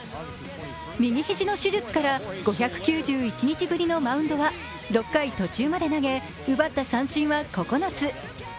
右肘の手術から５９１日ぶりのマウンドは６回途中まで投げ奪った三振は９つ。